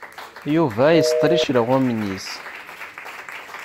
Yuba iseṭṭel icelɣumen-is.